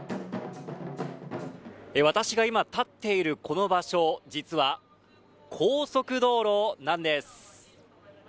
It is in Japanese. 私が今立っているこの場所実は高速道路なんです。